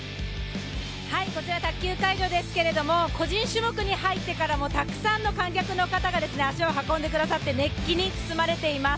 こちら卓球会場ですけれども個人種目に入ってからもたくさんの観客の方が足を運んでくださって熱気に包まれています。